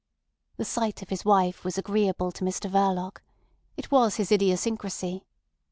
The sight of his wife was agreeable to Mr Verloc. It was his idiosyncrasy.